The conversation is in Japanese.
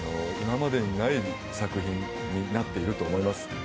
今までにない作品になっていると思います。